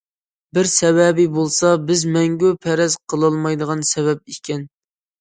بىر سەۋەبى بولسا بىز مەڭگۈ پەرەز قىلالمايدىغان سەۋەب ئىكەن.